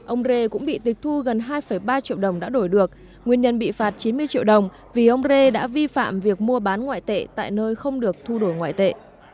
ông rê cũng bị tịch thu gần hai ba triệu đồng đã đổi được nguyên nhân bị phạt chín mươi triệu đồng vì ông rê đã vi phạm việc mua bán ngoại tệ tại nơi không được thu đổi ngoại tệ